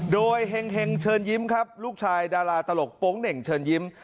โดยเฮงเชิญยิ้มครับลูกชายดาราตลกโป๊งเหน่งเชิญยิ้ม